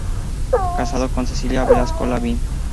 Casado con Cecilia Velasco Lavín.